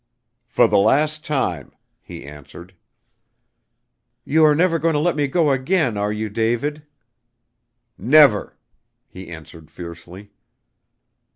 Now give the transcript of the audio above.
"For the last time," he answered. "You are never going to let me go again, are you, David?" "Never," he answered fiercely.